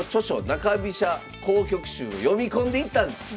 「中飛車好局集」を読み込んでいったんです。